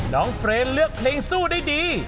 เฟรนเลือกเพลงสู้ได้ดี